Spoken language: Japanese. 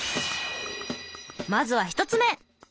まずは１つ目！